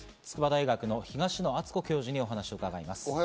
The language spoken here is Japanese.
筑波大学の東野篤子教授にお話を伺います。